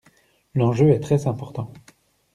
L’enjeu est très important.